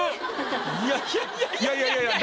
いやいやいやいやいやいや。